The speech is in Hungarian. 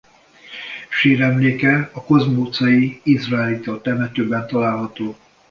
Síremléke a Kozma utcai izraelita temetőben található.